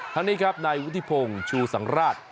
ทั้งนี้ครับนายวุฒิพงศ์ชูสังราช